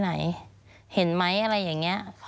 มันจอดอย่างง่ายอย่างง่าย